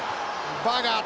バーガー。